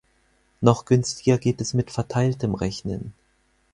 Noch günstiger geht es mit verteiltem Rechnen.